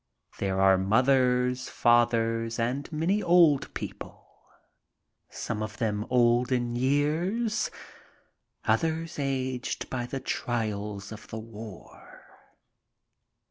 There are mothers, fathers, and many old people, some of them old in years, others aged by the trials of the war.